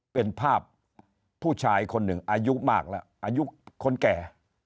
เป็นภาพผู้ชายคนหนึ่งอายุมากแล้วอายุคนแก่